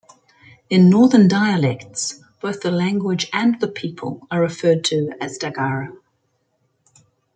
In northern dialects, both the language and the people are referred to as Dagara.